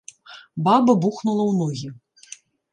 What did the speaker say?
Баба бухнула ў ногі.